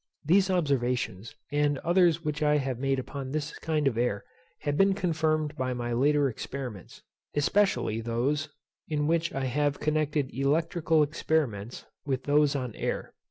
These observations, and others which I have made upon this kind of air, have been confirmed by my later experiments, especially those in which I have connected electrical experiments with those on air.